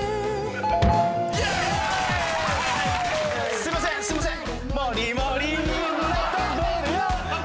すいませんすいません。